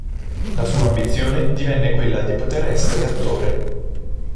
La sua ambizione divenne quella di poter essere attore.